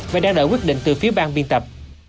và đang đợi quyết định từ phía bang biên tập